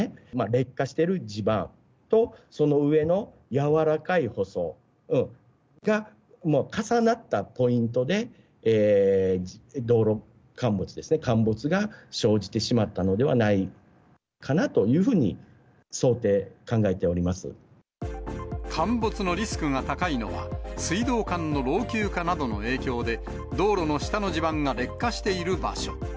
劣化している地盤を、その上のやわらかい舗装が重なったポイントで、道路陥没ですね、陥没が生じてしまったのではないかなというふうに想定、考えてお陥没のリスクが高いのは、水道管の老朽化などの影響で道路の下の地盤が劣化している場所。